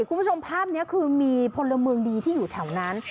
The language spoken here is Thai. คุณผู้ชมภาพนี้คือมีพลเมืองดีที่อยู่แถวนั้น